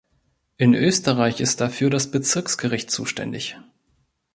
In Österreich ist dafür das Bezirksgericht zuständig.